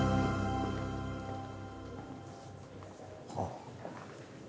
はあ。